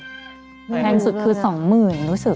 แรงสุดคือ๒หมื่นนุสสุด